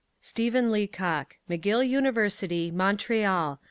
STEPHEN LEACOCK. McGill University, Montreal.